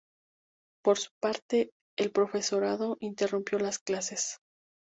Por su parte, el profesorado interrumpió las clases.